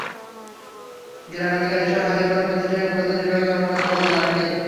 গ্রাম এলাকায় এসব খাতের কোনো প্রতিষ্ঠানেই প্রধান নির্বাহী কর্মকর্তার পদে নারী নেই।